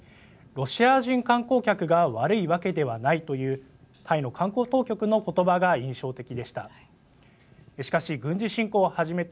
ロシア人観光客が悪いわけではないというタイの観光当局の言葉が印象的でした。